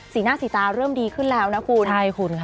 สีหน้าสีตาเริ่มดีขึ้นแล้วนะคุณ